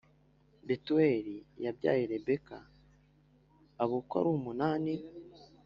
Betuweli yabyaye Rebeka Abo uko ari umunani